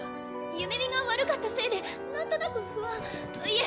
夢見が悪かったせいでなんとなく不安いえ